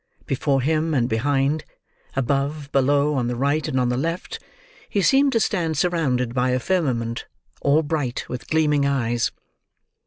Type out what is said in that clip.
Before him and behind: above, below, on the right and on the left: he seemed to stand surrounded by a firmament, all bright with gleaming eyes.